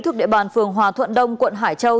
thuộc địa bàn phường hòa thuận đông quận hải châu